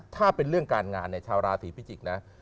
ถ้าเป็นเรื่องการงานในชาวราศีพิจิกษ์นะ